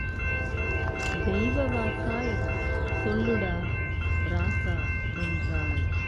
தெய்வ வாக்காய் சொல்லுடா ராசா... என்றாள்.